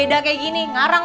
di dalam air enggak rare